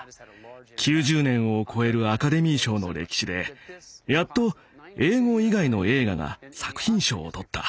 ９０年を超えるアカデミー賞の歴史でやっと英語以外の映画が作品賞を取った。